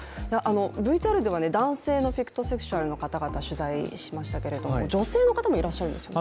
ＶＴＲでは男性のフィクトセクシュアルの方々取材をいたしましたけれども女性の方もいらっしゃるんですね。